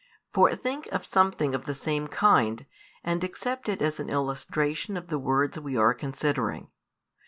For think of something of the same kind, and accept it as an illustration of the words we are considering.